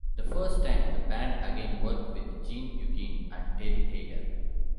The first time, the band again worked with Gene Eugene and Terry Taylor.